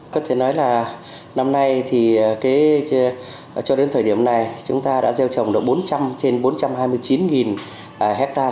có thể nói là năm nay thì cho đến thời điểm này chúng ta đã gieo trồng được bốn trăm linh trên bốn trăm hai mươi chín hectare